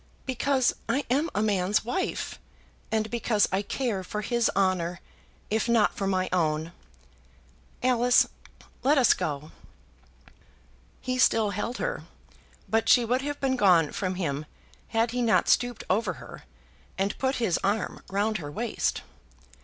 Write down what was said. "Because I am a man's wife, and because I care for his honour, if not for my own. Alice, let us go." He still held her, but she would have been gone from him had he not stooped over her, and put his arm round her waist.